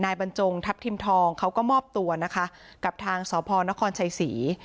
บรรจงทัพทิมทองเขาก็มอบตัวนะคะกับทางสพนครชัยศรี